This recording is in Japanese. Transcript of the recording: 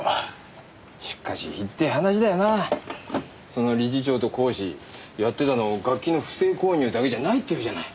その理事長と講師やってたの楽器の不正購入だけじゃないっていうじゃない。